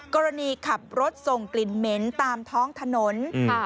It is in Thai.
กรณีขับรถส่งกลิ่นเหม็นตามท้องถนน